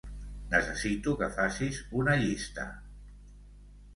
Necessito que facis una llista.